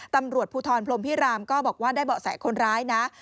ตำรวจภูทรพรมพิรามก็บอกว่าได้เบาะแสคนร้ายนะ